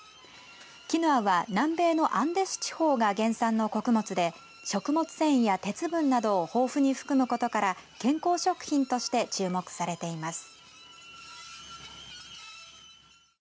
キヌアは南米のアンデス地方が原産の穀物で食物繊維や鉄分などを豊富に含むことから健康食品として注目されています。